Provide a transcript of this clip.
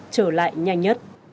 trở lại nhanh nhất